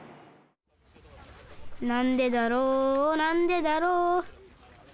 「なんでだろうなんでだろう」